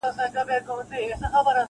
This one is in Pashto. کيسه د بحث مرکز ګرځي تل,